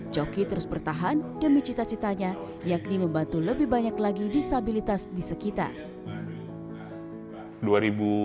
coki terus bertahan demi cita citanya yakni membantu lebih banyak lagi disabilitas di sekitar